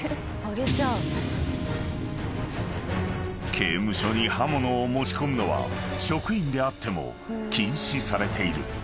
［刑務所に刃物を持ち込むのは職員であっても禁止されている］